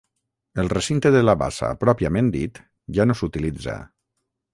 El recinte de la bassa pròpiament dit ja no s'utilitza.